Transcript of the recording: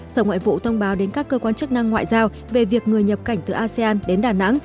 sở ngoại vụ thông báo đến các cơ quan chức năng ngoại giao về việc người nhập cảnh từ asean đến đà nẵng